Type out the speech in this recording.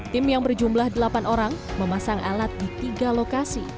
tim yang berjumlah delapan orang memasang alat di tiga lokasi